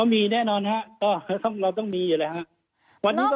อ๋อมีแน่นอนครับก็เราต้องมีอยู่เลยครับ